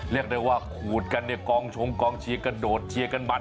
เรียกได้ว่าขูดกันเนี่ยกองชงกองเชียร์กระโดดเชียร์กันบัด